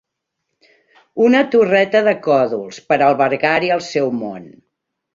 Una torreta de còdols, per a albergar-hi el seu món